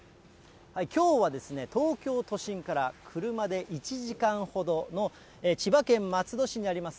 きょうはですね、東京都心から車で１時間ほどの、千葉県松戸市にあります